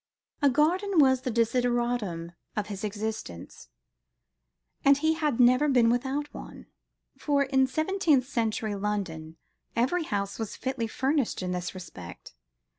A garden was the desideratum of his existence, and he had never been without one; for in seventeenth century London every house was fitly furnished in this respect.